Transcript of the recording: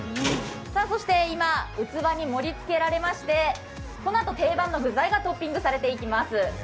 そして今、器に盛りつけられましてこのあと定番の具材がトッピングされていきます。